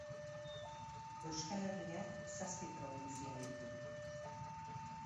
Euskal Herriak zazpi probintzia ditu.